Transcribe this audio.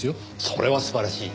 それは素晴らしい。